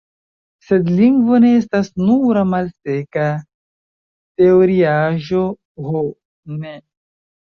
Sed lingvo ne estas nura malseka teoriaĵo, ho ne!